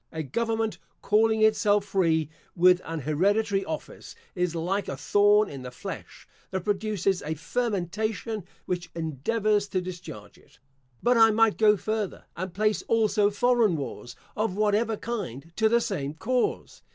A government calling itself free, with an hereditary office, is like a thorn in the flesh, that produces a fermentation which endeavours to discharge it. But I might go further, and place also foreign wars, of whatever kind, to the same cause.